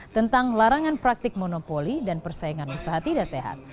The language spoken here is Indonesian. tentang larangan praktik monopoli dan persaingan usaha tidak sehat